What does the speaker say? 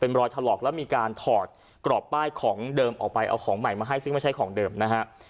รอยถลอกแล้วมีการถอดกรอบป้ายของเดิมออกไปเอาของใหม่มาให้ซึ่งไม่ใช่ของเดิมนะฮะ